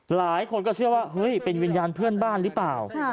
หลายคนก็เชื่อว่าเฮ้ยเป็นวิญญาณเพื่อนบ้านหรือเปล่า